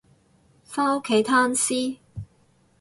返屋企攤屍